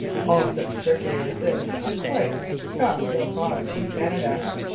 All such trickery as this is quite comme il faut in Canada.